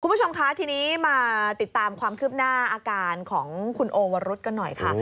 คุณผู้ชมคะทีนี้มาติดตามความคืบหน้าอาการของคุณโอวรุษกันหน่อยค่ะ